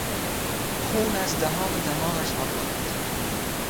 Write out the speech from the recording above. خون از دهان و دماغش فواره میزد.